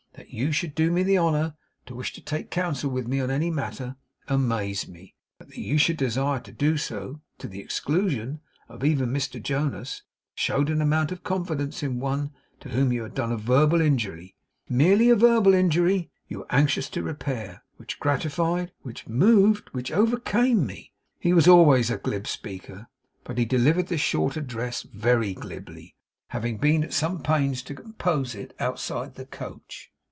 That you should do me the honour to wish to take counsel with me on any matter, amazed me; but that you should desire to do so, to the exclusion even of Mr Jonas, showed an amount of confidence in one to whom you had done a verbal injury merely a verbal injury, you were anxious to repair which gratified, which moved, which overcame me.' He was always a glib speaker, but he delivered this short address very glibly; having been at some pains to compose it outside the coach.